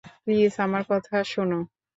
Please, আমার কথা শোনো।